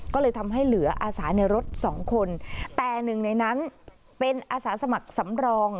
ก็เลยทำให้เหลืออาสาในรถสองคนแต่หนึ่งในนั้นเป็นอาสาสมัครสำรอง